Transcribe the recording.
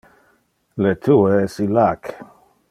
Le tue es illac.